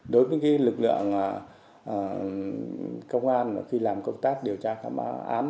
đối với cái lực lượng công an khi làm công tác điều tra khám án